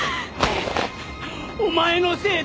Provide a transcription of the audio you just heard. お前のせいだ！